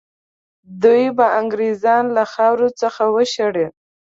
دوی به انګرېزان له خاورې څخه وشړي.